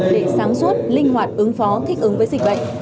để sáng suốt linh hoạt ứng phó thích ứng với dịch bệnh